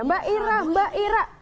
mbak ira mbak ira